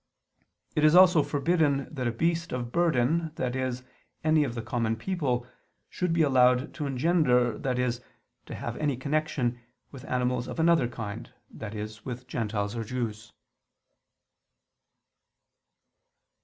It is also forbidden that a beast of burden, i.e. any of the common people, should be allowed to engender, i.e. to have any connection, with animals of another kind, i.e. with Gentiles or Jews.